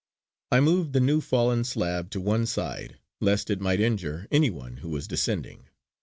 I moved the new fallen slab to one side lest it might injure any one who was descending.